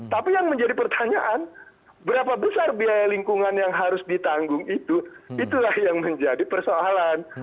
tapi yang menjadi pertanyaan berapa besar biaya lingkungan yang harus ditanggung itu itulah yang menjadi persoalan